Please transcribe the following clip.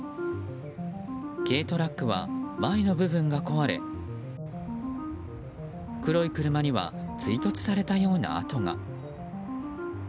軽トラックは前の部分が壊れ黒い車には追突されたような跡が。